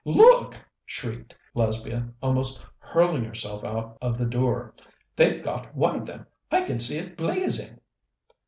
"Look!" shrieked Lesbia, almost hurling herself out of the door. "They've got one of them! I can see it blazing!"